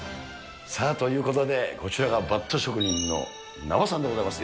さあ、ということで、こちらがバット職人の名和さんでございます。